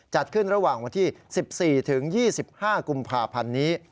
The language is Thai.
จัดขึ้นระหว่างวันที่๑๔ถึง๒๕กุมภาพันธ์นี้